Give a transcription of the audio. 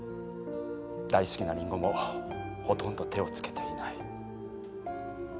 大好きなりんごもほとんど手をつけていない。